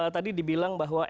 tadi dibilang bahwa